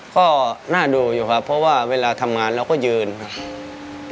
ก็น่าดูอยู่ครับเพราะว่าเวลาทำงานเราก็ยืนครับ